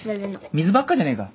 水ばっかじゃねえか。